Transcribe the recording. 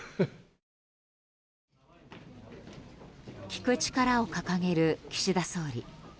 聞く力を掲げる岸田総理。